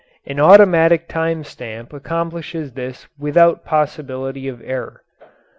An automatic time stamp accomplishes this without possibility of error.